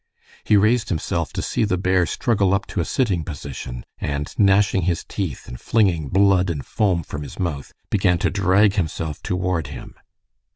He raised himself to see the bear struggle up to a sitting position, and gnashing his teeth, and flinging blood and foam from his mouth, begin to drag himself toward him.